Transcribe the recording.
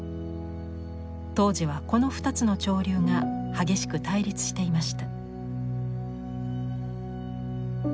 当時はこの２つの潮流が激しく対立していました。